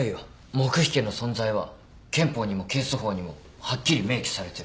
黙秘権の存在は憲法にも刑訴法にもはっきり明記されてる。